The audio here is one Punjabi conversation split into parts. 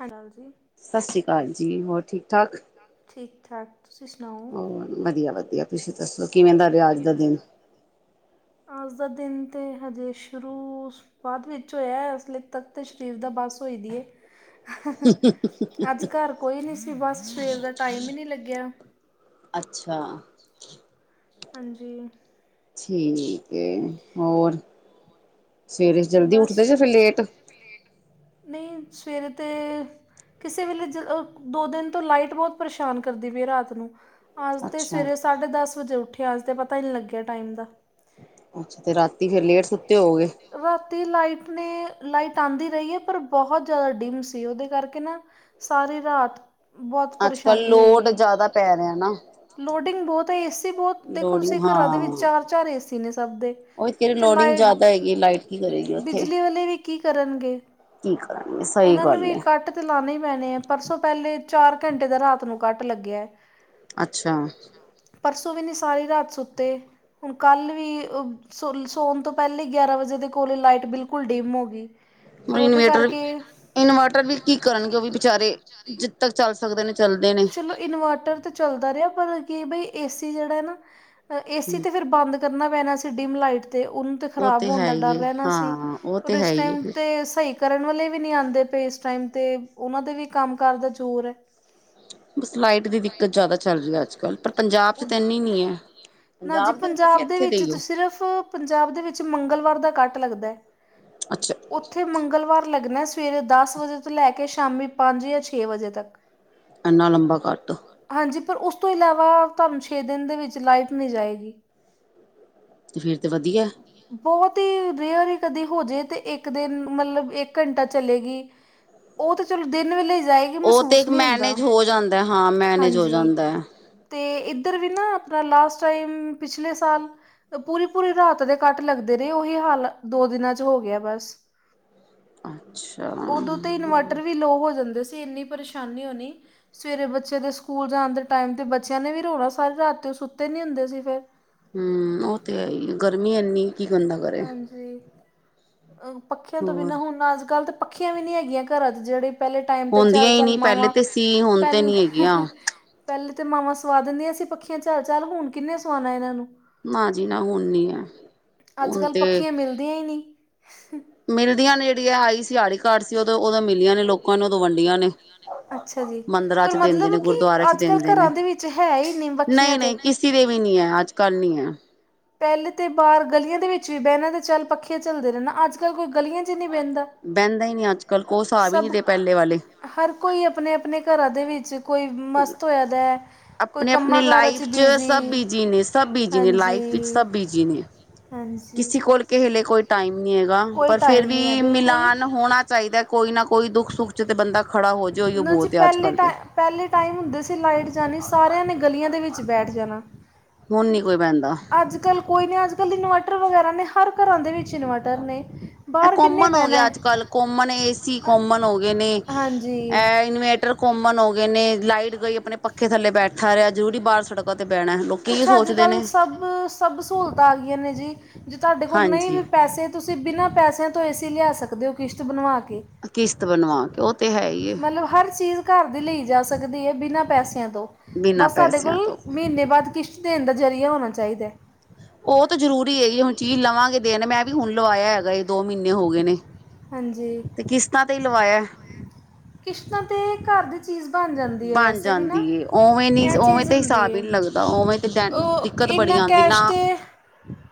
ਹੈਲੋ ਜੀ ਸਤਿ ਸ੍ਰੀ ਅਕਾਲ ਜੀ, ਹੋਰ ਠੀਕ ਠਾਕ। ਠੀਕ-ਠਾਕ, ਤੁਸੀਂ ਸੁਣਾਓ? ਵਧੀਆ-ਵਧੀਆ ਤੁਸੀਂ ਦੱਸੋ ਕਿਵੇਂ ਦਾ ਰਿਹਾ ਅੱਜ ਦਾ ਦਿਨ ਅੱਜ ਦਾ ਦਿਨ ਤੇ ਹਜੇ ਸ਼ੁਰੂ ਬਾਦ ਵਿੱਚ ਹੋਇਆ ਅਸਲੇ ਤੱਕ ਤੇ ਸਰੀਰ ਦਾ ਬੱਸ ਹੋਈ ਦੀ ਏ। ਅੱਜ ਘਰ ਕੋਈ ਨਈ ਸੀ ਬਸ ਸਵੇਰ ਦਾ ਟਾਈਮ ਈ ਨਈ ਲੱਗਿਆ। ਅੱਛਾ ਹਾਂਜੀ ਠੀਕ ਏ ਹੋਰ ਸਵੇਰੇ ਜਲਦੀ ਬਸ ਉੱਠਦੇ ਜਾਂ ਫਿਰ ਵਧੀ ਲੇਟ [unintelligible] ਨਈ ਸਵੇਰੇ ਤੇ ਕਿਸੇ ਵੇਲੇ ਜ ਅ ਦੋ ਦਿਨ ਤੋਂ ਲਾਈਟ ਬੋਤ ਪਰੇਸ਼ਾਨ ਕਰਦੀ ਪਈ ਆ ਰਾਤ ਨੂੰ ਅੱਜ ਤਾਂ ਅੱਛਾ ਸਵੇਰੇ ਸਾਢੇ ਦਸ ਵਜੇ ਉੱਠੇ ਅੱਜ ਤਾਂ ਪਤਾ ਹੀ ਨਈ ਲੱਗਿਆ ਟਾਈਮ ਦਾ ਅੱਛਾ ਤੇ ਰਾਤੀ ਫੇਰ ਲੇਟ ਸੁੱਤੇ ਹੋਵੋਗੇ। ਰਾਤੀ ਲਾਈਟ ਨੇ ਲਾਈਟ ਆਂਦੀ ਰਈ ਏ ਪਰ ਬਹੁਤ ਜਾਦਾ ਡਿਮ ਸੀ ਉਹਦੇ ਕਰਕੇ ਨਾ ਸਾਰੀ ਰਾਤ ਬਹੁਤ ਅੱਜ ਕੱਲ੍ਹ ਪਰੇਸ਼ਾਨੀ ਹੋਈ ਹੈ। ਲੋਡ ਜਾਦਾ ਪੈ ਰਿਆ ਨਾ। ਲੋਡਿੰਗ ਬੋਤ ਹੈ ਏ ਸੀ ਬਹੁਤ ਦੇਖੋ ਲੋਡਿੰਗ ਤੁਸੀਂ ਘਰਾਂ ਦੇ ਹਾਂ ਵਿੱਚ ਚਾਰ-ਚਾਰ ਏ ਸੀ ਨੇ ਸਭ ਦੇ ਉਹੀ ਤੇਰੀ ਤੇ ਲੋਡਿੰਗ ਲਾਈਟ ਜ਼ਿਆਦਾ ਹੈਗੀ ਲਾਈਟ ਕੀ ਕਰੇਗੀ ਉੱਥੇ ਪੈਲੇ ਵੀ ਕੀ ਕਰਨਗੇ। ਕੀ ਕਰਾਂਗੇ ਅਸੀਂ ਉਹਨਾਂ ਨੂੰ ਵੀ ਕੱਟ ਤੇ ਲਾਣੇ ਈ ਪੈਣੇ ਐ ਪਰਸੋਂ ਪੈਲੇ ਚਾਰ ਘੰਟੇ ਦਾ ਰਾਤ ਨੂੰ ਕੱਟ ਲੱਗਿਆ। ਅੱਛਾ ਪਰਸੋਂ ਵੀ ਨੀ ਸਾਰੀ ਰਾਤ ਸੁੱਤੇ ਹੁਣ ਕੱਲ੍ਹ ਵੀ ਸੋ ਸੋਣ ਤੋਂ ਪੈਲੇ ਗਿਆਰਾਂ ਵਜੇ ਦੇ ਕੋਲ ਲਾਈਟ ਬਿਲਕੁਲ ਡਿਮ ਹੋ ਗਈ। ਹੁਣ ਫਿਰ ਉਹਦੇ ਇਨਵੇਰਟਰ ਕਰਕੇ ਇਨਵਰਟਰ ਵੀ ਕੀ ਕਰਨਗੇ ਓ ਵੀ ਵਿਚਾਰੇ ਜ ਤੱਕ ਚੱਲ ਸਕਦੇ ਨੇ ਚੱਲਦੇ ਨੇ। ਚਲੋ ਇਨਵਰਟਰ ਤੇ ਚੱਲਦਾ ਰਿਆ ਪਰ ਕੀ ਬ ਏਸੀ ਜੇੜਾ ਹੈ ਨਾ ਏਸੀ ਤੇ ਫਿਰ ਬੰਦ ਕਰਨਾ ਪੈਣਾ ਸੀ ਡਿਮ ਲਾਈਟ ਤੇ ਉਨ ਤੇ ਉਹ ਖ਼ਰਾਬ ਹੋਣ ਹੈ ਦਾ ਹੀ ਡਰ ਏ ਰੈਂਣਾ ਸੀ ਹਾਂ ਉਹ ਤੇ ਔਰ ਹੈ ਇਸ ਹੀ ਏ ਟਾਈਮ ਫਿਰ ਤੇ ਸਈ ਕਰਨ ਵਾਲੇ ਵੀ ਨਈ ਆਂਦੇ ਪਏ ਇਸ ਟਾਈਮ ਤੇ ਉਹਨਾਂ ਦੇ ਵੀ ਕੰਮ ਕਾਰ ਦਾ ਜ਼ੋਰ ਐ। ਬਸ ਲਾਈਟ ਦੀ ਦਿੱਕਤ ਜਾਦਾ ਚੱਲ ਰਈ ਅੱਜ ਕੱਲ ਪਰ ਪੰਜਾਬ ਪਰ 'ਚ ਤੇ ਏਨੀ ਨਈ ਐ ਨਾ ਜੀ ਪੰਜਾਬ ਦੇ ਤੁਸੀਂ ਇੱਥੇ ਵਿੱਚ ਦੇਈਓ। ਸਿਰਫ ਪੰਜਾਬ ਦੇ ਵਿੱਚ ਮੰਗਲਵਾਰ ਦਾ ਕੱਟ ਲੱਗਦਾ। ਅੱਛਾ ਉੱਥੇ ਮੰਗਲਵਾਰ ਲੱਗਣਾ ਸਵੇਰੇ ਦਸ ਵਜੇ ਤੋਂ ਲੈ ਕੇ ਸ਼ਾਮੀ ਪੰਜ ਜਾਂ ਛੇ ਵਜੇ ਤੱਕ ਇੰਨਾ ਲੰਬਾ ਕੱਟ ਹਾਂਜੀ ਪਰ ਉਸ ਤੋਂ ਇਲਾਵਾ ਤੁਹਾਨ ਛੇ ਦਿਨ ਦੇ ਵਿੱਚ ਲਾਈਟ ਨਈ ਜਾਏਗੀ ਫਿਰ ਤੇ ਵਧੀਆ ਬਹੁਤ ਹੀ ਰੇਅਰ ਹੀ ਕਦੇ ਹੋਜੇ ਤੇ ਇੱਕ ਦਿਨ ਮਤਲਬ ਇੱਕ ਘੰਟਾ ਚਲੇਗੀ। [inaudible] ਓ ਤੇ ਚਲੋ ਦਿਨ ਵੇਲੇ ਜਾਏ। ਓ ਤੇ ਇੱਕ ਮੈਨੇਜ ਹੋ ਜਾਂਦਾ ਹਾਂ ਮੈਨੇਜ ਹੋ ਹਾਂਜੀ। ਜਾਂਦਾ ਐ। ਤੇ ਇੱਧਰ ਵੀ ਨਾ ਆਪਣਾ ਲਾਸਟ ਟਾਈਮ ਪਿਛਲੇ ਸਾਲ ਪੂਰੀ-ਪੂਰੀ ਰਾਤ ਦੇ ਕੱਟ ਲੱਗਦੇ ਰਏ ਉਹੀ ਹਾਲ ਦੋ ਦਿਨਾਂ 'ਚ ਹੋ ਗਿਆ ਬਸ ਅੱਛਾ ਉਦੋਂ ਤੇ ਇਨਵਰਟਰ ਹਮ ਵੀ ਲੋਅ ਹੋ ਜਾਂਦੇ ਸੀ ਇੰਨੀ ਪਰੇਸ਼ਾਨੀ ਹੋਣੀ। ਸਵੇਰੇ ਬੱਚੇ ਦੇ ਸਕੂਲ ਜਾਣ ਦੇ ਟਾਈਮ ਬੱਚਿਆਂ ਨੇ ਵੀ ਰੋਣਾ ਸਾਰੇ ਰਾਤ ਸੁੱਤੇ ਨਈ ਹੁੰਦੇ ਸੀ ਫਿਰ ਹਮ ਉਹ ਤੇ ਹੈ ਹੀ ਗਰਮੀ ਇਨੀ ਕੀ ਬੰਦਾ ਕਰੇ ਅ ਪੱਖਿਆਂ ਤੋਂ ਹੋਰ ਬਿਨਾਂ ਹੁਣ ਅੱਜ ਕੱਲ ਤਾਂ ਪੱਖੀਆਂ ਵੀ ਨੀ ਹੈਗੀਆਂ ਘਰਾਂ ਚ ਜੇੜੇ ਪੈਲੇ ਟਾਈਮ ਤੇ ਹੁੰਦੀਆਂ ਝੱਲ ਹੀ ਝਲ ਨਹੀਂ ਪਹਿਲੇ ਮਾਵਾਂ ਤੇ ਸੀ ਹੁਣ ਤੇ ਨੀ ਪਹਿ ਹੈਗੀਆਂ ਪੈਲੇ ਤੇ ਮਾਵਾਂ ਸਵਾ ਦਿੰਦੀਆਂ ਸੀ ਪੱਖੀਆਂ ਚੱਲ ਚਲ ਹੁਣ ਕਿੰਨੇ ਸਵਾਣਾ ਇਹਨਾਂ ਨੂੰ ਨਾ ਜੀ ਨਾ ਹੁਣ ਨੀ ਹੈ ਅੱਜ ਹੁਣ ਕੱਲ੍ਹ ਤੇ ਪੱਖੀਆਂ ਮਿਲਦੀਆਂ ਹੀ ਨਹੀਂ ਮਿਲਦੀਆਂ ਨੇ ਜੇੜੀ ਆ ਆਈ ਸੀ ਆੜੀ ਕਾਡ ਸੀ ਉ ਓਦੋਂ ਉਦੋਂ ਮਿਲੀਆਂ ਨੇ ਲੋਕਾਂ ਨੇ ਉ ਓਦੋਂ ਵੰਡੀਆਂ ਨੇ ਅੱਛਾ ਜੀ ਮੰਦਰਾਂ ਪਰ ਚ ਦਿੰਦੇ ਨੇ ਮਤਲਬ ਕਿ ਗੁਰਦੁਆਰੇ ਚ ਅੱਜ ਕੱਲ੍ਹ ਦਿੰਦੇ ਨੇ ਘਰਾਂ ਦੇ ਵਿੱਚ ਹੈ ਹੀ ਵੱਖੀਆਂ ਨਹੀਂ ਤੇ ਨਹੀਂ ਕਿਸੀ ਦੇ ਵੀ ਨੀ ਹੈ ਅੱਜ ਕੱਲ ਨੀ ਹੈ ਪੈਲੇ ਤੇ ਬਾਰ ਗਲੀਆਂ ਦੇ ਵਿੱਚ ਵੀ ਬੈਣਾ ਤੇ ਚੱਲ ਪੱਖੀਆਂ ਚੱਲਦੇ ਰਹਿੰਣਾ ਅੱਜ ਕੱਲ ਕੋਈ ਗਲੀਆਂ 'ਚ ਨਹੀਂ ਬਹਿੰਦਾ। ਬੈਂਦਾ ਹੀ ਨਹੀਂ ਅੱਜ ਕੱਲ ਕੋਈ ਸਾਬ ਹੀ ਨਹੀਂ ਸਭ ਰਹੇ ਪੈਲੇ ਵਾਲੇ ਹਰ ਕੋਈ ਆਪਣੇ ਆਪਣੇ ਘਰਾ ਦੇ ਵਿੱਚ ਕੋਈ ਮਸਤ ਹੋਇਆ ਦੈ ਹੈ ਕੋਈ ਆਪਣੇ ਆਪਣੇ ਕੰਮਾਂ ਕਾਰਾਂ ਚ ਲਾਈਫ ਸਭ ਬਿਜ਼ੀ ਬਿਜੀ ਨੇ ਸਭ ਬਿਜੀ ਨੇ ਹਾਂਜੀ ਲਾਈਫ ਵਿੱਚ ਸਭ ਬੀਜੀ ਨੇ ਹਾਂਜੀ ਕਿਸੇ ਕੋਲ ਕੇਸਲੇ ਕੋਈ ਟਾਈਮ ਨਹੀਂ ਹੈਗਾ ਕੋਈ ਪਰ ਫੇਿਰ ਟਾਈਮ ਨਹੀਂ ਹੈ ਵੀ ਬਿਲਕੁਲ ਮਿਲਾਨ ਹੋਣਾ ਚਾਈਦਾ ਕੋਈ ਨਾ ਕੋਈ ਦੁੱਖ ਸੁੱਖ ਚ ਤੇ ਬੰਦਾ ਖੜਾ ਹੋ ਜਾੇਓ ਈਓ ਬੋਤ ਆ ਅੱਜ ਕੱਲ੍ਹ ਤੇ ਪੈਲੇ ਟਾਈਮ ਹੁੰਦੇ ਸੀ ਲਾਈਟ ਜਾਣੀ ਸਾਰਿਆਂ ਨੇ ਗਲੀਆਂ ਦੇ ਵਿੱਚ ਬੈਠ ਜਾਣਾ ਹੁਣ ਨੀ ਕੋਈ ਬੈਂਦਾ ਅੱਜ ਕੱਲ ਕੋਈ ਨੀ ਅੱਜ ਕੱਲ੍ਹ ਇਨਵਰਟਰ ਵਗੈਰਾ ਨੇ ਹਰ ਘਰਾਂ ਦੇ ਵਿੱਚ ਇਨਵੇਟਰ ਨੇ ਇਹ ਬਾਹਰ ਕਿੰਨੇ ਕੋਮਨ ਹੋ ਗਿਆ ਬੈਣਾ ਅੱਜ ਕੱਲ ਕੋਮਨ ਏਸੀ ਕੋਮਨ ਹੋ ਗਏ ਨੇ ਹਾਂਜੀ ਇਹ ਇਨਵੇਟਰ ਕੋਮਨ ਹੋ ਗਏ ਨੇ, ਲਾਈਟ ਗਈ ਆਪਣੇ ਪੱਖੇ ਥੱਲੇ ਬੈਠਾ ਰਿਹਾ ਜ਼ਰੂਰੀ ਬਾਰ ਸੜਕਾਂ ਤੇ ਬੈਣੈ। ਲੋਕ ਕੁਛ ਅੱਜ ਕੱਲ੍ਹ ਸਭ ਸਭ ਸਹੂਲਤਾਂ ਆ ਗਈਆਂ ਨੇ ਜੀ ਜੇ ਤੁਹਾਡੇ ਕੋਲ ਨਹੀਂ ਵੀ ਹਾਂਜੀ ਪੈਸੇ ਤੁਸੀਂ ਬਿਨਾਂ ਪੈਸਿਆਂ ਤੋਂ ਏਸੀ ਲਿਆ ਸਕਦੇ ਹੋ ਕਿਸ਼ਤ ਬਣਵਾ ਕੇ ਕਿਸ਼ਤ ਬਣਵਾ ਕੇ ਉਹ ਤੇ ਹੈ ਹੀ ਏ ਮਤਲਬ ਹਰ ਚੀਜ਼ ਘਰ ਦੀ ਲਈ ਜਾ ਸਕਦੀ ਹੈ। ਬਿਨਾਂ ਪੈਸਿਆਂ ਤੋਂ ਬਿਨਾਂ ਬਸ ਸਾਡੇ ਪੈਸਿਆਂ ਕੋਲ ਤੋਂ ਮਹੀਨੇ ਬਾਦ ਕਿਸ਼ਤ ਦੇਣ ਦਾ ਜ਼ਰੀਆ ਹੋਣਾ ਚਾਈਦਾ ਉਹ ਤਾਂ ਜ਼ਰੂਰੀ ਹੈ। ਜੀ ਹੁਣ ਚੀਜ਼ ਲਵਾਂਗੇ ਦਿਨ ਮੈਂ ਵੀ ਹੁਣ ਲਵਾਇਆ ਹੈਗਾ ਦੋ ਮਹੀਨੇ ਹੋ ਗਏ ਨੇ ਹਾਂਜੀ ਤੇ ਕਿਸ਼ਤਾਂ ਤੇ ਹੀ ਲਵਾਇਆ ਕਿਸ਼ਤਾਂ ਤੇ ਘਰ ਦੇ ਬਣ ਜਾਂਦੀ ਏ, ਉਵੇਂ ਨੀ ਇਹ ਉਵੇਂ ਚੀਜ਼ ਤਾਂ ਹੁੰਦੀ ਹਿਸਾਬ ਹੀ ਹੈ ਨਹੀਂ ਲੱਗਦਾ ਉਵੇਂ ਤੇ ਉਹ ਦਿੱਕਤ ਬੜੀ ਇੰਨਾ ਆਂਦੀ ਕੈਸ਼ ਨਾ ਤੇ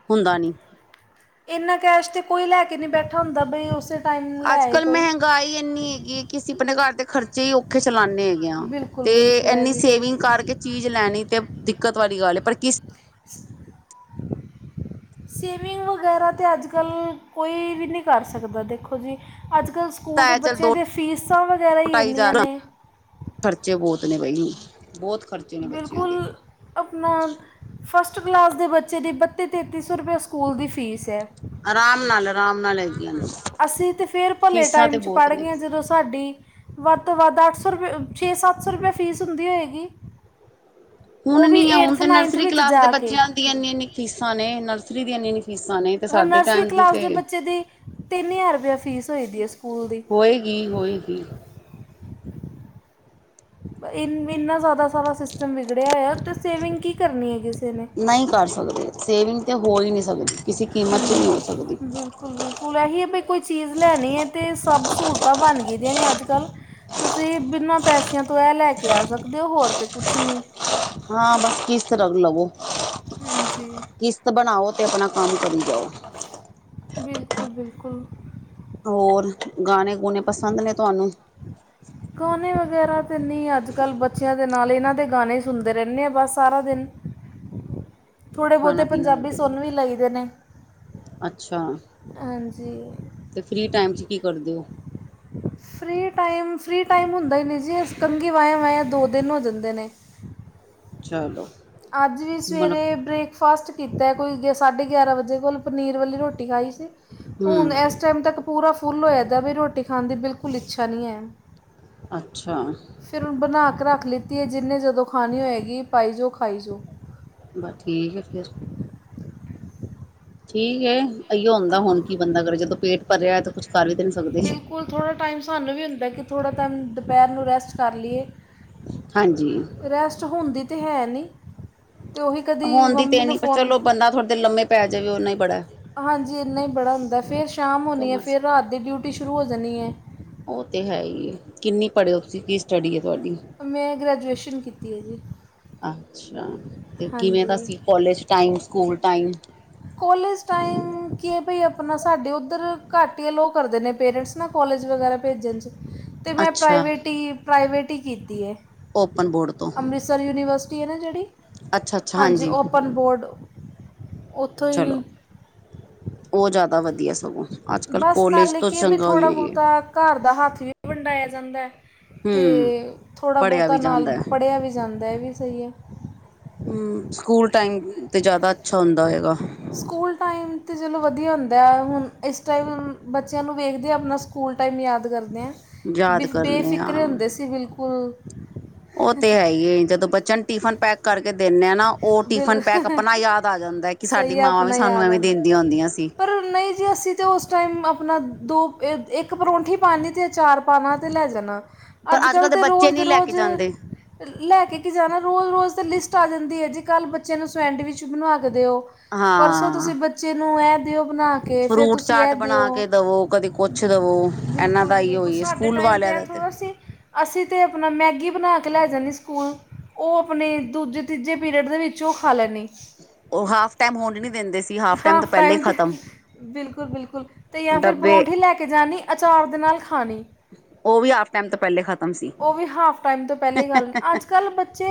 ਹੁੰਦਾ ਨੀ ਇੰਨਾ ਕੈਸ਼ ਤੇ ਕੋਈ ਲੈ ਕੇ ਨਹੀਂ ਬੈਠਾ ਹੁੰਦਾ ਬਈ। ਉਸੇ ਟਾਈਮ ਲੈ ਅੱਜ ਆਏ ਕੱਲ੍ਹ ਕੋਈ ਮਹਿੰਗਾਈ ਇੰਨੀ ਹੈਗੀ ਕਿ ਅਸੀਂ ਆਪਣੇ ਘਰ ਦੇ ਖਰਚੇ ਹੀ ਔਖੇ ਚਲਾਂਦੇ ਹੈਗੇ ਬਿਲਕੁਲ ਤੇ ਬਿਲਕੁਲ ਇਹ ਇੰਨੀ ਵੀ ਸਹੀ ਸੇਵਿੰਗ ਹੈ ਕਰਕੇ ਚੀਜ਼ ਲੈਣੀ ਤੇ ਦਿੱਕਤ ਵਾਲੀ ਗੱਲ, ਪਰ ਕਿਸ ਸੇਵਿੰਗ ਵਗੈਰਾ ਤੇ ਅੱਜ ਕੱਲ੍ਹ ਕੋਈ ਵੀ ਨਹੀਂ ਕਰ ਸਕਦਾ ਦੇਖੋ ਜੀ। ਅੱਜ ਕੱਲ੍ਹ ਸਕੂਲ ਦੇ ਹੈ ਚੱਲ ਬੱਚਿਆਂ ਦੋ ਦੀ ਫੀਸਾਂ ਵਗੈਰਾ ਹੀ ਢਾਈ ਇੰਨੀਆਂ ਹਜ਼ਾਰ ਨੇ ਖਰਚੇ ਬੋਤ ਨੇ ਬਾਈ, ਬੋਤ ਬਿਲਕੁਲ ਆਪਣਾ ਫਸਟ ਕਲਾਸ ਦੇ ਬੱਚੇ ਦੀ ਬੱਤੀ ਤੇਤੀ ਸੌ ਰੁਪਈਏ ਸਕੂਲ ਦੀ ਫ਼ੀਸ ਹੈ। ਅਰਾਮ ਨਾਲ ਅਰਾਮ ਨਾਲ ਲਈ ਅਸੀਂ ਤਾਂ ਫਿਰ ਭਲੇ ਟਾਈਮ 'ਚ ਬਹੁਤ ਪੜ੍ਹ ਨੇ ਗਏ ਹਾਂ ਜਦੋਂ ਸਾਡੀ ਵੱਧ ਤੋਂ ਵੱਧ ਅੱਠ ਸੌ ਰੁਪੇ ਛੇ ਸੱਤ ਸੌ ਰੁਪਏ ਫੀਸ ਹੁੰਦੀ ਹੋਏਗੀ। ਹੁਣ ਉਹ ਨ ਵੀ ਹੈ ਹੁਣ ਤੇ ਨਰਸਰੀ ਵਿੱਚ ਕਲਾਸ ਦੇ ਜਾ ਕੇ ਬੱਚਿਆਂ ਦੀਆਂ ਇੰਨੀ-ਇੰਨੀ ਫੀਸਾਂ ਨੇ ਨਰਸਰੀ ਦੀ ਇੰਨੀ-ਇਨੀ ਫੀਸਾਂ ਨੇ ਤੇ ਹ ਸਾਡੇ ਨਰਸਰੀ ਟਾਈਮ ਕਲਾਸ ਦੇ ਬੱਚੇ ਦੀ ਤਿੰਨ ਹਜ਼ਾਰ ਰੁਪਿਆ ਫੀਸ ਹੋ ਦੀ ਹੈ ਸਕੂਲ ਦੀ ਹੋਏਗੀ ਹੋਏਗੀ ਇ ਇੰਨਾ ਜ਼ਿਆਦਾ ਸਾਰਾ ਸਿਸਟਮ ਵਿਗੜਿਆ ਹੋਇਆ ਤੇ ਸੇਵਿੰਗ ਕੀ ਕਰਨੀ ਹੈ ਕਿਸੇ ਨੇ ਨਹੀਂ ਕਰ ਸਕਦੇ, ਸੇਵਿੰਗ ਤੇ ਹੋ ਹੀ ਨਹੀਂ ਸਕਦੀ, ਕਿਸੇ ਕੀਮਤ 'ਚ ਹਾਂਜੀ ਨਹੀਂ ਹੋ ਸਕਦੀ। ਬਿਲਕੁਲ -ਬਿਲਕੁਲ ਇਹੀ ਹੈ ਵੀ ਕੋਈ ਚੀਜ਼ ਲੈਣੀ ਹੈ, ਤੇ ਸਭ ਸਹੂਲਤਾਂ ਬਣ ਗਈਦੀਆਂ ਨੇ ਅੱਜ ਕੱਲ੍ਹ ਤੁਸੀਂ ਬਿਨਾਂ ਪੈਸਿਆਂ ਤੋਂ ਇਹ ਲੈ ਕੇ ਆ ਸਕਦੇ ਹੋ, ਹੋਰ ਤੇ ਕੁਛ ਨਹੀਂ। ਹਾਂ ਬਸ ਕਿਸ ਤਰ੍ਹਾਂ ਲਵੋ ਹਾਂਜੀ। ਕਿਸ਼ਤ ਬਣਾਓ ਅਤੇ ਆਪਣਾ ਕੰਮ ਕਰੀ ਜਾਓ। ਬਿਲਕੁਲ -ਬਿਲਕੁਲ। ਹੋਰ ਗਾਣੇ -ਗੂਣੇ ਪਸੰਦ ਨੇ ਤੁਹਾਨੂੰ? ਗਾਣੇ ਵਗੈਰਾ ਤਾਂ ਨਹੀਂ ਅੱਜ ਕੱਲ੍ਹ, ਬੱਚਿਆਂ ਦੇ ਨਾਲ ਇਹਨਾਂ ਦੇ ਗਾਣੇ ਹੀ ਸੁਣਦੇ ਰਹਿੰਦੇ ਹਾਂ ਬਸ ਸਾਰਾ ਦਿਨ ਥੋੜ੍ਹੇ ਬਹੁਤੇ ਖਾਣਾ ਪੀਣਾ ਪੰਜਾਬੀ ਲੱਗੇ ਰਹੋ ਸੁਣ ਵੀ ਲਈਦੇ ਨੇ। ਅੱਛਾ। ਹਾਂਜੀ। ਅਤੇ ਫ੍ਰੀ ਟਾਈਮ 'ਚ ਕੀ ਕਰਦੇ ਹੋ? ਫ੍ਰੀ ਟਾਈਮ, ਫ੍ਰੀ ਟਾਈਮ ਹੁੰਦਾ ਹੀ ਨਹੀਂ ਜੀ, ਕੰਘੀ ਵਾਏ-ਵਾਆਂ ਦੋ ਦਿਨ ਹੋ ਜਾਂਦੇ ਨੇ। ਚਲੋ ਅੱਜ ਵੀ ਮਤਲਬ ਸਵੇਰੇ ਬ੍ਰੇਕਫਾਸਟ ਕੀਤੇ ਕੋਈ ਸਾਢੇ ਗਿਆਰਾਂ ਵਜੇ ਕੋਲ, ਪਨੀਰ ਵਾਲੀ ਰੋਟੀ ਖਾਈ ਸੀ। ਹੁਣ ਹਮ ਇਸ ਉਸ ਟਾਈਮ ਤੱਕ ਪੂਰਾ ਫੁੱਲ ਹੋਇਆਦੇ ਵੀ, ਰੋਟੀ ਖਾਣ ਦੀ ਬਿਲਕੁਲ ਇੱਛਾ ਨਹੀਂ ਹੈ। ਅੱਛਾ। ਫਿਰ ਹੁਣ ਬਣਾ ਕੇ ਰੱਖ ਲਿੱਤੀ ਏ ਜਿੰਹਨੇ ਜਦੋਂ ਖਾਣੀ ਹੋਏਗੀ, ਪਾਈ ਜਾਓ, ਖਾਈ ਜਾਓ। ਬਸ ਠੀਕ ਹੈ ਫਿਰ ਠੀਕ ਏ, ਇਓ ਹੁੰਦੇ ਹਾਂ, ਹੁਣ ਕੀ ਬੰਦਾ ਕਰੇ ਜਦੋਂ ਪੇਟ ਭਰੇਏ ਤੇ ਕੁਛ ਕਰ ਵੀ ਤੇ ਨੀ ਸਕਦੇ। ਕੋਲ ਥੋੜ੍ਹਾ ਟਾਈਮ ਸਾਨੂੰ ਵੀ ਹੁੰਦਾ, ਕਿ ਥੋੜ੍ਹਾ ਟਾਈਮ ਦੁਪਹਿਰ ਨੂੰ ਰੈਸਟ ਕਰ ਲਈਏ। ਹਾਂਜੀ। ਰੈਸਟ ਹੁੰਦੀ ਤੇ ਹੈ ਨਹੀਂ। ਤੇ ਉਹੀ ਕਦੀ ਹੁਣ ਦੀ ਤੇ ਮੰਮੀ ਨੂੰ ਨੀ ਫੋਨ ਚਲੋ, ਬੰਦਾ ਥੋੜੇ ਦੇਰ ਲੰਮੇ ਪੈ ਜਾਵੇ ਉਹਨਾ ਹੀ ਬੜਾ। ਹਾਂਜੀ ਇੰਨਾ ਹੀ ਬੜਾ ਹੁੰਦਾ, ਫਿਰ ਸ਼ਾਮ ਹੋਣੀ ਹੈ, ਕਮਰਸ ਫਿਰ ਰਾਤ ਦੀ ਡਿਊਟੀ ਸ਼ੁਰੂ ਹੋ ਜਾਂਣੀ ਹੈ। ਉਹ ਤੇ ਹੈ ਹੀ ਹੈ, ਕਿੰਨੀ ਪੜ੍ਹੇ ਓ ਤੁਸੀਂ? ਕਿਸ ਸਟੱਡੀ ਹੈ ਤੁਹਾਡੀ? ਮੈਂ ਗ੍ਰੈਜੂਏਸ਼ਨ ਕੀਤੀ ਹੈ ਜੀ ਅੱਛਾ ਤੇ ਕਿਵੇਂ ਦਾ ਹਾਂਜੀ ਸੀ college time, school time? College time, ਕੀ ਹੈ ਭਈ ਆਪਣਾ ਸਾਡੇ ਉੱਧਰ ਘੱਟ ਹੀ ਅਲੋ ਕਰਦੇ ਨੇ ਪੇਰੈਂਟਸ। ਨਾ ਕੋਲਜ ਵਗੈਰਾ ਭੇਜਣ 'ਚ ਅਤੇ ਮੈਂ ਅੱਛਾ ਪ੍ਰਾਈਵੇਟ ਹੀ ਪ੍ਰਾਈਵੇਟ ਹੀ ਕੀਤੀ ਹੈ। ਓਪਨ ਬੋਰਡ ਤੋਂ? ਸਾਡੀ ਯੂਨੀਵਰਸਿਟੀ ਹੈ ਨਾ ਜਿਹੜੀ, ਅੱਛਾ ਅੱਛਾ ਹਾਂਜੀ ਓਪਨ ਬੋਰਡ ਉੱਥੋਂ 'ਚਲੋ, ਹੀ ਉਹ ਜ਼ਿਆਦਾ ਵਧੀਆ ਸਗੋਂ। ਅੱਜ ਕੱਲ੍ਹ ਬਸ ਕੋਲਜ ਨਾਲੇ ਤੋਂ ਕੀ ਏ ਚੰਗਾ ਹੀ ਥੋੜਾ ਹੋਈ ਹੈ ਬਹੁਤਾ, ਘਰ ਦਾ ਹੱਥ ਵੀ ਵੰਡਾਇਆ ਜਾਂਦਾ। ਤੇ ਹਮ ਥੋੜ੍ਹਾ ਪੜ੍ਹਿਆ ਬਹੁਤਾ ਵੀ ਨਾਲ ਜਾਂਦਾ ਹੈ ਪੜ੍ਹਿਆ ਵੀ ਜਾਂਦਾ ਹੈ, ਏ ਵੀ ਸਹੀ ਹੈ। ਹਮ, ਸਕੂਲ ਟਾਈਮ ਤੇ ਜ਼ਿਆਦਾ ਅੱਛਾ ਹੁੰਦਾ ਹੋਏਗਾ। ਸਕੂਲ ਟਾਈਮ ਤਾਂ ਚਲੋ ਵਧੀਆ ਹੁੰਦਾ, ਹੁਣ ਇਸ ਟਾਈਮ ਬੱਚਿਆਂ ਨੂੰ ਵੇਖਦੇ ਹਾਂ ਆਪਣਾ ਸਕੂ ਸਕੂਲ ਟਾਈਮ ਯਾਦ ਕਰਦੇ ਹਾਂ, ਬੇ ਯਾਦ ਕਰਨੇ ਆ ਬੇਫਿਕਰੇ ਹੁੰਦੇ ਸੀ ਬਿਲਕੁਲ ਉਹ ਤੇ ਹੈ ਹੀ, ਜਦੋਂ ਬੱਚਿਆ ਨੂੰ ਟਿਫਨ ਪੈਕ ਕਰਕੇ ਦਿੰਨੇ ਆ ਨਾ ਉਹ ਟਿਫਨ ਬਿਲ ਪੈਕ ਆਪਣਾ ਸਹੀ ਯਾਦ ਆ ਜਾਂਦਾ, ਕਿ ਸਾਡੀ ਆ, ਮਾਵਾਂ ਵੀ ਆਪਣਾ ਸਾਨੂੰ ਯਾਦ ਐਵੇਂ ਆਉਂਦਾ ਦਿੰਦੀਆਂ ਆਉਂਦੀਆਂ ਸੀ। ਪਰ ਨਹੀਂ ਜੀ ਅਸੀਂ ਤੇ ਉਸ ਟਾਈਮ ਆਪਣਾ ਦੋ, ਇੱਕ ਪਰੋਂਂਠੀ ਪਾਨੀ ਤੇ ਚਾਰ ਪਾਨਾ ਤੇ ਲੈ ਜਾਣਾ। ਪਰ ਅਜ ਅੱਜ ਕਲ੍ਹ ਕੱਲ੍ਹ ਤੇ ਬੱਚੇ ਰੋਜ਼ ਦੇ ਨਹੀਂ ਲੈ ਕੇ ਰੋਜ਼ ਜਾਂਦੇ ਲੈ ਕੇ ਕੀ ਜਾਣਾ ਰੋਜ਼ -ਰੋਜ਼ ਤਾਂ ਲਿਸਟ ਆ ਜਾਂਦੀ ਹੈ ਜੀ, ਕੱਲ੍ਹ ਬੱਚਿਆਂ ਨੂੰ ਸੈਂਡਵਿਚ ਬਣਵਾਂ ਕੇ ਦਿਓ ਪਰਸੋਂ ਤੁਸੀਂ ਹਾਂ ਬੱਚੇ ਨੂੰ ਇਹ ਦਿਓ ਬਣਾ ਕੇ ਕੇ ਫਿਰ ਫਰੂਟ ਤੁਸੀਂ ਚਾਟ ਇਹ ਦਿਓ, ਬਣਾ ਕੇ ਦਵੋ ਕਦੇ ਕੁਛ ਦਵੋ ਇਹਨਾਂ ਬਿਲਕੁਲ ਦਾ ਜੀ ਹੀ ਬਿਲਕੁਲ ਹੋਈ ਸਾਡੇ ਸਕੂਲ ਟਾਈਮ 'ਤੇ ਵਾਲਿਆਂ ਇਹੈ ਦਾ ਥੋੜ੍ਹਾ ਅਸੀਂ ਤੇ ਆਪਣਾ ਮੈਗੀ ਬਣਾ ਕੇ ਲੈ ਜਾਂਦੇ ਸਕੂਲ, ਉਹ ਆਪਣੇ ਦੂਜੇ ਤੀਜੇ ਪੀਰੀਅਡ ਦੇ ਵਿੱਚ ਉਹ ਖਾ ਲੈਂਦੀ। ਉਹ ਹਾਫ ਟਾਈਮ ਹੋਣ ਨ ਦਿੰਦੇ ਸੀ, ਹਾਫ ਟਾਈਮ ਤੋਂ ਪਹਿਲੇ ਹੀ ਖ਼ਤਮ। ਬਿਲਕੁਲ ਬਿਲਕੁਲ ਅਤੇ ਜਾਂ ਫਿਰ ਪਰੌਂਠੀ ਲੈ ਕੇ ਜਾਣੀ, ਅਚਾਰ ਦੇ ਨਾਲ ਖਾਣੀ। ਉਹ ਵੀ ਹਾਫ ਟਾਈਮ ਤੋਂ ਪਹਿਲੇ ਖਤਮ ਸੀ ਉਹ ਵੀ ਹਾਫ ਟਾਈਮ ਤੋਂ ਪਹਿਲੇ ਖਾ ਲੈਣੀ, ਅੱਜ ਅੱਜ ਕੱਲ ਬੱਚੇ,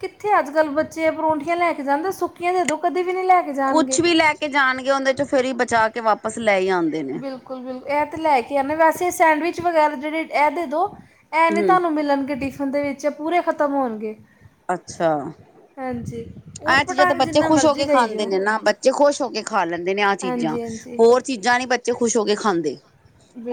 ਕਿੱਥੇ ਅੱਜ ਕੱਲ੍ਹ ਬੱਚੇ ਪਰੌਂਠੀਆਂ ਲੈ ਕੇ ਜਾਂਦੇ, ਸੁੱਕੀਆਂ ਦੇ ਉਦੋਂ ਕਦੇ ਵੀ ਨੀ ਲੈ ਕੇ ਕੁਛ ਜਾਣਗੇ ਵੀ ਲੈ ਕੇ ਜਾਣਗੇ, ਉਹਦੇ 'ਚੋਂ ਫੇਰ ਹੀ ਬਚਾ ਕੇ ਵਾਪਸ ਲੈ ਹੀ ਆਉਂਦੇ। ਨੇ ਬਿਲਕੁਲ ਬਿਲਕੁਲ ਇਹ ਤਾਂ ਲੈ ਕੇ ਆਉਂਣੇ, ਵੈਸੇ ਸੈਂਡਵਿਚ ਵਗੈਰਾ ਜਿਹੜੇ ਇਹ ਦੇ ਦੋ ਇਹ ਨਹੀਂ ਹਮ ਤੁਹਾਨੂੰ ਮਿਲਣਗੇ ਟਿਫਿਨ ਦੇ ਵਿੱਚ, ਪੂਰੇ ਖਤਮ ਹੋਣਗੇ। ਅੱਛਾ। ਹਾਂਜੀ ਊਟ ਆ ਚੀਜ਼ਾਂ ਤੇ ਪਟਾਂਗ ਬੱਚੇ ਜਿੰਨਾ ਖੁਸ਼ ਹੋ ਮਰਜ਼ੀ ਕੇ ਦੇਈ ਖਾਂਦੇ ਜਿਓ ਨੇ ਨਾ, ਬੱਚੇ ਖੁਸ਼ ਹੋ ਕੇ ਖਾ ਲੈਂਦੇ ਨੇ ਚੀਜ਼ਾਂ, ਹਾਂਜੀ ਹਾਂਜੀ ਹੋਰ ਚੀਜ਼ਾਂ ਨੀ ਬੱਚੇ ਖੁਸ਼ ਹੋ ਕੇ ਖਾਂਦੇ,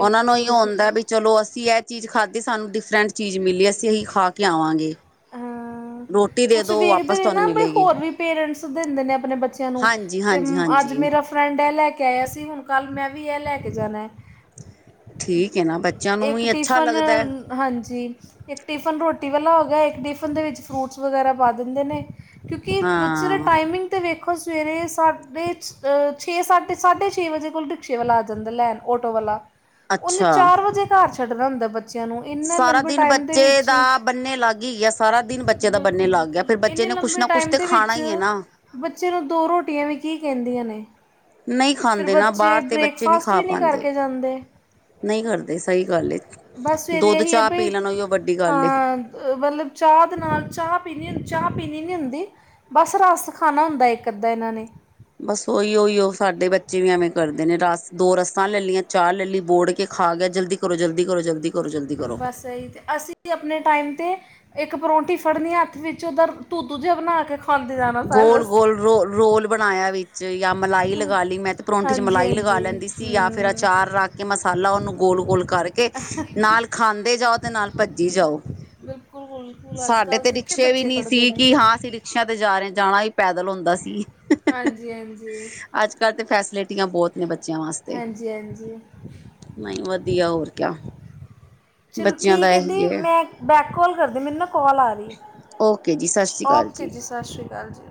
ਉਹਨਾਂ ਨੂੰ ਇਹਿਓ ਹੁੰਦਾ ਵੀ ਚਲੋ ਅਸੀਂ ਇਹ ਚੀਜ਼ ਖਾਧੀ ਸਾਨੂੰ ਡਿਫਰੈਂਟ ਚੀਜ਼ ਮਿਲੀ, ਅਸੀਂ ਇਹੀ ਖਾ ਕੇ ਆਵਾਂਗੇ। ਹਾਂ ਰੋਟੀ ਦੇ ਕੁਛ ਦੋ ਵੇਖਦੇ ਵਾਪਸ ਨੇ ਤੁਹਾਨੂੰ ਨਾ ਬਈ ਮਿਲੇਗੀ ਹੋਰ ਵੀ ਪੇਰੈਂਟਸ ਦਿੰਦੇ ਨੇ ਆਪਣੇ ਬੱਚਿਆਂ ਨੂੰ, ਹਾਂਜੀ ਤੇ ਹਾਂਜੀ ਅੱਜ ਹਾਂਜੀ ਮੇਰਾ ਫਰੈਂਡ ਇਹ ਲੈ ਕੇ ਆਇਆ ਸੀ, ਹੁਣ ਕੱਲ੍ਹ ਮੈਂ ਵੀ ਇਹ ਲੈ ਕੇ ਜਾਣਾ। ਠੀਕ ਹੈ ਨਾ, ਬੱਚਿਆਂ ਨੂੰ ਇੱਕ ਵੀ ਅੱਛਾ ਟਿਫਨ ਲੱਗਦਾ। ਹਾਂਜੀ, ਇੱਕ ਟਿਫਨ ਰੋਟੀ ਵਾਲਾ ਹੋ ਗਿਆ, ਇੱਕ ਟਿਫਨ ਦੇ ਵਿੱਚ ਫਰੂਟਸ ਵਗੈਰਾ ਪਾ ਦਿੰਦੇ ਨੇ। ਕਿਉਂਕਿ ਬੱਚੇ ਦੇ ਹਾਂ ਟਾਈਮਿੰਗ ਅਤੇ ਵੇਖੋ, ਸਵੇਰੇ ਸਾਢੇ ਛੇ ਸਾਢੇ -ਸਾਢੇ ਛੇ ਵਜੇ ਕੋਲ ਰਿਕਸ਼ੇ ਵਾਲਾ ਆ ਜਾਂਦਾ ਲੈਣ ਆਟੋ ਵਾਲਾ, ਉਹਨੇ ਅੱਛਾ ਚਾਰ ਵਜੇ ਘਰ ਛੱਡਦਾ ਹੁੰਦਾ ਬੱਚ ਇਆ ਨੂੰ, ਇਨਾ ਸਾਰਾ ਲੰਬੇ ਦਿਨ ਟੈਮ ਦੇ ਬੱਚੇ ਵਿਚ! ਦਾ ਬੰਨੇ ਲੱਗ ਹੀ ਗਿਆ ਸਾਰਾ ਦਿਨ ਬੱਚੇ ਦਾ ਬਿਲਕੁਲ ਬੰਨੇ ਲੱਗ ਗਿਆ ਬਿਲਕੁਲ ਫਿਰ ਬੱਚੇ ਇੰਨੇ ਨੇ ਕੁਛ ਲੰਬੇ ਨਾ ਕੁਛ ਟਾਈਮ ਤੇ ਦੇ ਖਾਣਾ ਵਿੱਚ, ਹੀ ਹੈ ਨਾ ਬੱਚੇ ਨੂੰ ਦੋ ਰੋਟੀਆਂ ਵੀ ਕੀ ਕਹਿੰਦੀਆਂ ਨੇ। ਨਹੀਂ ਫਿਰ ਖਾਂਦੇ' ਨਾ, ਬੱਚੇ ਬਾਹਰ ਤੇ ਬੱਚੇ ਨਹੀਂ ਬ੍ਰੇਕਫਾਸਟ ਖਾ ਵੀ ਪਾਉਂਦੇ। ਕਰਕੇ ਜਾਂਦੇ ਨਹੀਂ ਕਰਦੇ ਸਹੀ ਗੱਲ ਏ, ਬਸ ਸਵੇਰੇ ਦੁੱਧ ਇਹੀ ਹੈ ਚਾਹ ਪੀ ਬਈ ਲੈਣ ਉਹਿਓ ਵੱਡੀ ਗੱਲ ਏ। ਹਾਂ ਮਤਲਬ ਚਾਹ ਦੇ ਨਾਲ, ਚਾਹ ਪੀਨੀ -ਚਾਹ ਪੀਨੀ ਨੀ ਹੁੰਦੀ। ਬਸ ਰਸ ਖਾਨਾ ਹੁੰਦਾ, ਇੱਕ - ਅੱਧਾ ਇਨ੍ਹਾਂ ਨੇ। ਬਸ ਓਹੀਓ - ਉਹੀਓ ਸਾਡੇ ਬੱਚੇ ਵੀ ਐਵੇਂ ਕਰਦੇ ਨੇ, ਰਸ ਦੋ ਰੱਸਾਂ ਲੈ ਲੀਆਂ, ਚਾਹ ਲੈ ਲੀ, ਬੋੜ ਕੇ ਖਾ ਗਏ! ਜਲਦੀ ਕਰੋ, ਜਲਦੀ ਕਰੋ, ਜਲਦੀ! ਕਰੋ ਜਲਦੀ ਕਰੋ ਬਸ ਐਹੀ ਤੇ ਅਸੀਂ ਤੇ ਆਪਣੇ ਟਾਈਮ ਤੇ ਇੱਕ ਪਰੌਂਠੀ ਫੜਨੀ ਹੱਥ ਵਿੱਚ, ਉਧੱਰ ਧੂੱਧੂ ਜਿਹਾ ਬਣਾ ਕੇ ਖਾਂਦੇ ਜਾਣਾ ਸਾਰੇ ਗੋਲ ਰਸਤੇ -ਗੋਲ, ਰੋ -ਰੋਲ ਬਣਾਇਆ ਵੀ 'ਚ ਯਾ ਮਲਾਈ ਲਗਾ ਲਈ, ਮੈਂ ਤੇ ਪਰੌਂਠੀ 'ਚ ਹਾਂਜੀ ਮਲਾਈ ਲਗਾ ਹਾਂਜੀ ਲੈਂਦੀ ਸੀ, ਯਾ ਫਿਰ ਹੂੰ ਅਚਾਰ ਰੱਖ ਤੇ ਮਸਾਲਾ ਉਹਨੂੰ ਗੋਲ - ਗੋਲ ਕਰਕੇ, ਨਾਲ ਖਾਂਦੇ ਜਾਓ ਤੇ ਨਾਲ ਭੱਜੀ ਜਾਓ। ਬਿਲਕੁਲ- ਬਿਲਕੁਲ, ਅੱਜ - ਸਾਡੇ ਕੱਲ੍ਹ ਤੇ ਕਿੱਥੇ ਰਿਕਸ਼ੇ ਵੀ ਬੱਚੇ ਨੀ ਫੜ੍ਹਦੇ ਸੀ ਨੇ। ਕਿ ਹਾਂ ਅਸੀਂ ਰਿਕਸ਼ਿਆਂ ਤੇ ਜਾ ਰਏ, ਜਾਣਾ ਹੀ ਪੈਦਲ ਹੁੰਦਾ ਸੀ। ਹਾਂਜੀ - ਹਾਂਜੀ। ਅੱਜ - ਕੱਲ੍ਹ ਤੇ ਫੈਸਿਲਿਟੀਆਂ ਬਹੁਤ ਨੇ ਬੱਚਿਆਂ ਵਾਸਤੇ। ਹਾਂਜੀ ਹਾਂਜੀ ਨਈ, ਵਦੀਆ ਹੋਰ ਕਿਆ। ਚਲੋ ਬੱਚਿਆਂ ਦਾ ਠੀਕ ਐ ਦੀ, ਇਹੀ ਹੈ ਮੈਂ ਬੈਕ ਕੋਲ ਕਰਦੀ ਆ। ਮੈਨੂੰ ਨਾ ਕੋਲ ਆ ਰ ਓਕੇ ਜੀ, ਸਸ ਓਕੇ ਜੀ, ਸਸ਼ਰੀ ਕਾਲ ਜੀ।